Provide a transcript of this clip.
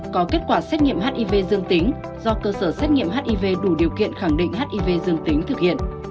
có kết quả xét nghiệm hiv dương tính do cơ sở xét nghiệm hiv đủ điều kiện khẳng định hiv dương tính thực hiện